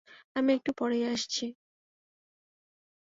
আমি একটু পরেই আসছি।